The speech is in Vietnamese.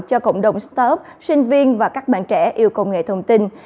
cho cộng đồng staff sinh viên và các bạn trẻ yêu công nghệ thông tin